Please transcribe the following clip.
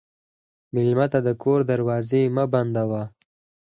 مېلمه ته د کور دروازې مه بندوه.